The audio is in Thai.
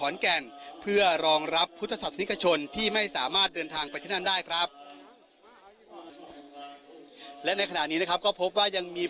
และในขณะนี้ก็พบว่ายังมี